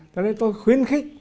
cho nên tôi khuyến khích